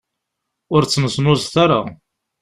Ur ttneẓnuẓet ara.